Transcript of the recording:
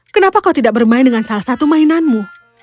kenapa kau tidak bermain dengan salah satu mainanmu